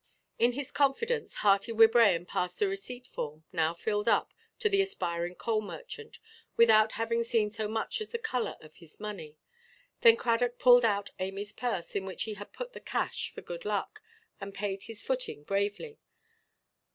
In his confidence, Hearty Wibraham passed the receipt form, now filled up, to the aspiring coal–merchant, without having seen so much as the colour of his money. Then Cradock pulled out Amyʼs purse, in which he had put the cash, for good luck, and paid his footing bravely.